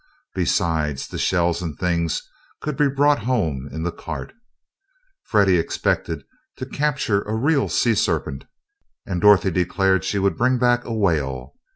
Besides, the shells and things could be brought home in the cart. Freddie expected to capture a real sea serpent, and Dorothy declared she would bring back a whale.